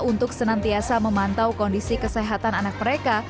untuk senantiasa memantau kondisi kesehatan anak mereka